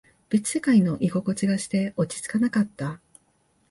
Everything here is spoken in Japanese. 別世界の居心地がして、落ち着かなかった。